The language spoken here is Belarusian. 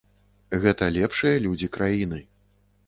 Гэта лепшыя людзі краіны.